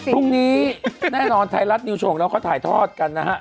พรุ่งนี้แน่นอนไทยรัฐดิวชงแล้วเขาถ่ายทอดกันนะฮะ